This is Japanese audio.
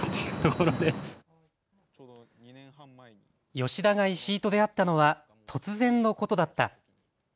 吉田が石井と出会ったのは突然のことだった。